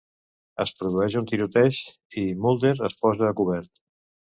Es produeix un tiroteig i Mulder es posa a cobert.